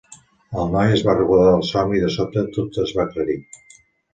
El noi es va recordar del somni i, de sobte, tot es va aclarir.